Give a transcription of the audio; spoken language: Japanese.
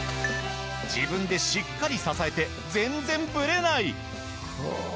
自分でしっかり支えて全然ブレない。